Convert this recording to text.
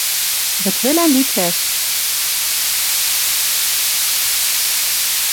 Вӹд вӹлӓн лит вӓш.